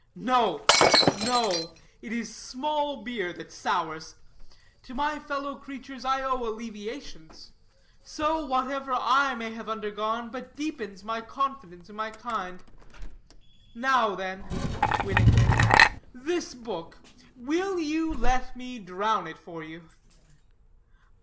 No, no: it is small beer that sours. To my fellow creatures I owe alleviations. So, whatever I may have undergone, it but deepens my confidence in my kind. Now, then" (winningly), "this book will you let me drown it for you?"